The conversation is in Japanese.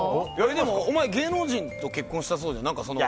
でもお前、芸能人と結婚したそうで。